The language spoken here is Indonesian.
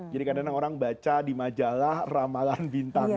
jadi kadang kadang orang baca di majalah ramalan bintangnya